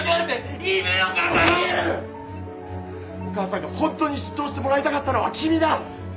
お母さんが本当に執刀してもらいたかったのは君だ。